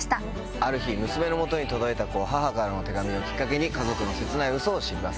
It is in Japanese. ある日娘の元に届いた母からの手紙をきっかけに家族の切ないウソを知ります。